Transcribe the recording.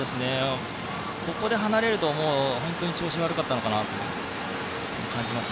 ここで離れると本当に調子が悪かったのかなと感じます。